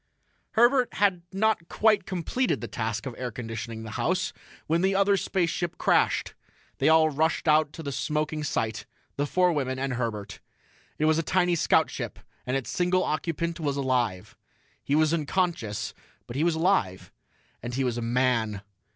Herbert had not quite completed the task of air conditioning the house when the other spaceship crashed. They all rushed out to the smoking site the four women and Herbert. It was a tiny scoutship, and its single occupant was alive. He was unconscious, but he was alive. And he was a man!